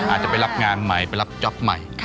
อาจจะไปรับงานใหม่ไปรับจ๊อปใหม่